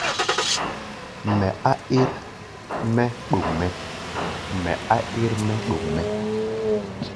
Mɛ á ɛ́r-mɛ́ ɗoŋ mɛ́.